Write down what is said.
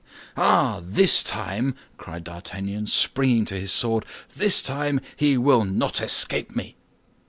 "Ah, this time," cried D'Artagnan, springing to his sword, "this time he will not escape me!"